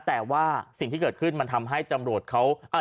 แต่ว่าสิ่งที่เกิดขึ้นมันทำให้ตำรวจเขา